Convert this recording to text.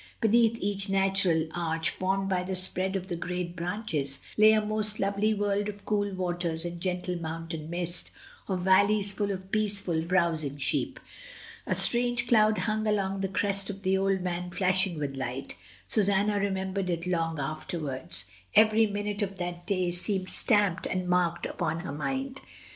Beneath each natural arch formed by the spread of the great branches, lay a most lovely world of cool waters and gentle mountain mist, of valleys full of peaceful, browsing sheep. A strange cloud hung along the crest of the Old Man flashing with light. Susanna remembered it long afterwards; every minute of that day seemed stamped and marked upon her mind.